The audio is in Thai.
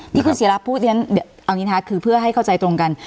ที่คุณเสียรับพูดเดี๋ยวเอานิทาคคือเพื่อให้เข้าใจตรงกัน